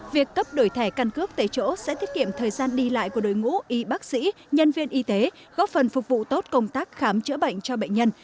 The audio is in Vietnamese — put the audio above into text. việc cấp đổi thẻ căn cước tại chỗ sẽ tiết kiệm thời gian đi lại của đội ngũ y bác sĩ nhân viên y tế góp phần phục vụ tốt công tác khám chữa bệnh cho bệnh nhân